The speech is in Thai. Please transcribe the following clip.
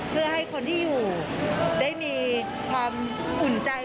เพื่อให้คนที่อยู่ได้มีความอุ่นใจ